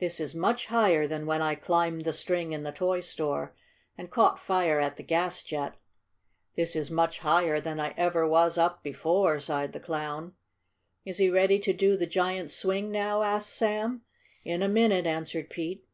"This is much higher than when I climbed the string in the toy store and caught fire at the gas jet. This is much higher than I ever was up before," sighed the Clown. "Is he ready to do the giant's swing now?" asked Sam. "In a minute," answered Pete.